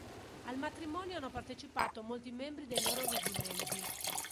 Al matrimonio hanno partecipato molti membri dei loro reggimenti.